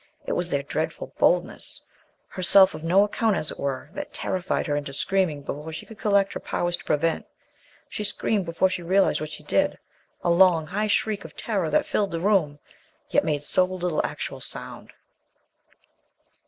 It was their dreadful boldness herself of no account as it were that terrified her into screaming before she could collect her powers to prevent. She screamed before she realized what she did a long, high shriek of terror that filled the room, yet made so little actual sound.